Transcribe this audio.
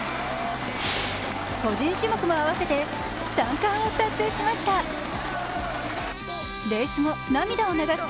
個人種目も合わせて３冠を達成しました。